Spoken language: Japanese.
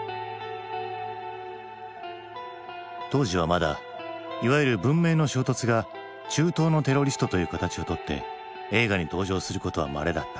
当時はまだいわゆる「文明の衝突」が「中東のテロリスト」という形をとって映画に登場することはまれだった。